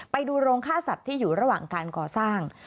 ไปดูโรงฆ่าสัตว์ที่อยู่ระหว่างการก่อสร้าง